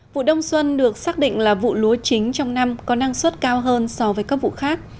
vụ đông xuân được xác định là vụ lúa chính trong năm có năng suất cao hơn so với các vụ khác